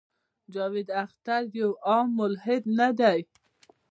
جاوېد اختر يو عام ملحد نۀ دے